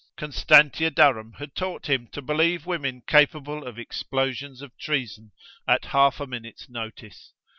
Constantia Durham had taught him to believe women capable of explosions of treason at half a minute's notice.